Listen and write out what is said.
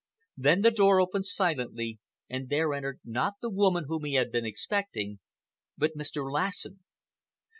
Then the door opened silently and there entered not the woman whom he had been expecting, but Mr. Lassen.